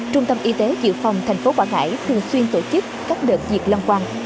trung tâm y tế dự phòng thành phố quảng ngãi thường xuyên tổ chức các đợt diệt loang quang